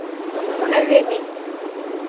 on a eu aimé.